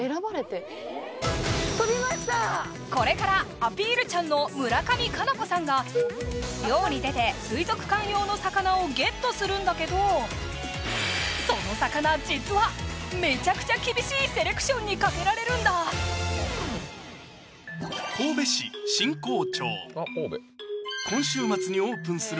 これからアピールちゃんの村上佳菜子さんが漁に出て水族館用の魚をゲットするんだけどその魚実はめちゃくちゃ厳しいセレクションにかけられるんだあっ神戸今週末にオープンする